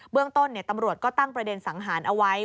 เรื่องต้นตำรวจก็ตั้งประเด็นสังหารเอาไว้